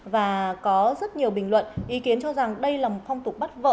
và có rất nhiều bình luận ý kiến cho rằng đây là một phong tục bắt vỡ